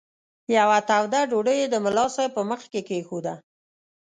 یوه توده ډوډۍ یې د ملا صاحب په مخ کې کښېښوده.